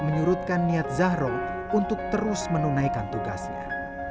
menyurutkan niat zahro untuk terus menunaikan tugasnya